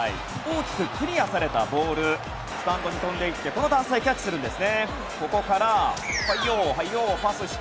大きくクリアされたボールスタンドへ飛んでいってこの男性がキャッチするんです。